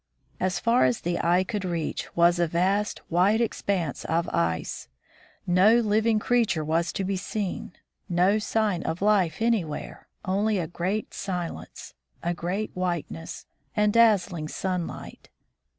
As far as the eye could reach was a vast, white expanse of ice. No living creature was to be seen, no sign of life anywhere, only a great silence, a great whiteness, and dazzling sunlight.